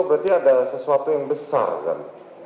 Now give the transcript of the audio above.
berarti ada sesuatu yang besar kan